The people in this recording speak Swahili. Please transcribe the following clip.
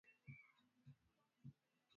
Macho kuwa mekundu